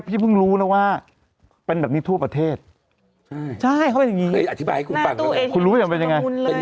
พี่บ้างรู้นะว่าเป็นแบบนี้ทั่วประเทศอธิบายคุณเนี้ยอ่ะแต่รู้ว่าเป็นอย่าง